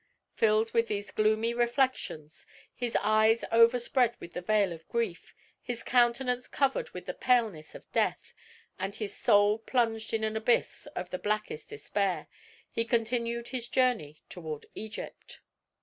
Filled with these gloomy reflections, his eyes overspread with the veil of grief, his countenance covered with the paleness of death, and his soul plunged in an abyss of the blackest despair, he continued his journey toward Egypt.